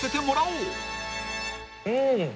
うん。